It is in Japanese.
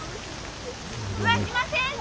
上嶋先生！